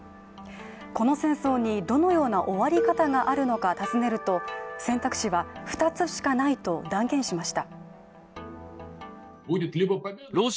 この戦争にどのような終わり方があるのか尋ねると選択肢は２つしかないと断言しました。